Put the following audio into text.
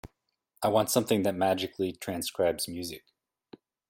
I want something that magically transcribes music.